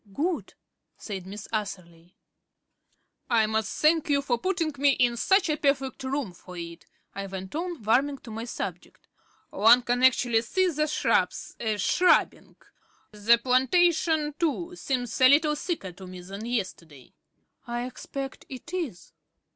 "Good," said Miss Atherley. "I must thank you for putting me in such a perfect room for it," I went on, warming to my subject. "One can actually see the shrubs er shrubbing. The plantation too seems a little thicker to me than yesterday." "I expect it is."